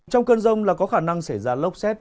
trong cơn rông là có khả năng xảy ra lốc xét